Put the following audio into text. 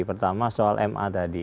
pertama soal ma tadi